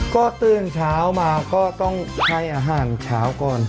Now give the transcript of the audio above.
ก็ตื่นเช้ามาก็ต้องให้อาหารเช้าก่อน